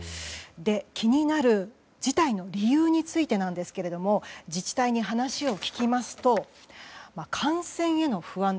気になる、辞退の理由についてなんですけれども自治体に話を聞きますと感染への不安。